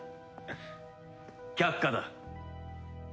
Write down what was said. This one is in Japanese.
却下だ！